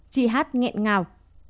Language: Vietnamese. chị h ngẹn ngào